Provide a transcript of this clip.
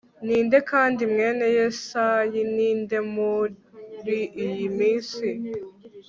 ni nde Kandi mwene Yesayi ni nde Muri iyi minsi